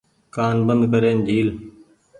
ڪآن بند ڪرين جهيل۔